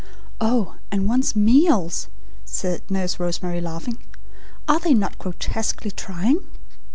'" "Oh, and one's meals," said Nurse Rosemary laughing. "Are they not grotesquely trying?"